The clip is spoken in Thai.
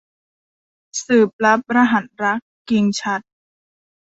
สืบลับรหัสรัก - กิ่งฉัตร